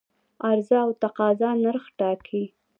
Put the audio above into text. عرضه او تقاضا نرخ ټاکي